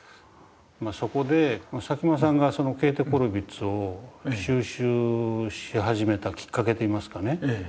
そこで佐喜眞さんがそのケーテ・コルヴィッツを収集し始めたきっかけといいますかね